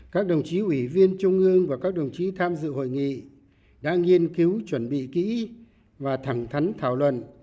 các đồng chí ủy viên trung ương và các đồng chí tham dự hội nghị đã nghiên cứu chuẩn bị kỹ và thẳng thắn thảo luận